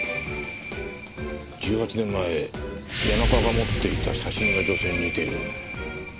１８年前谷中が持っていた写真の女性に似ている。